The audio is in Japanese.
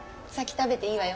食べていいのよ。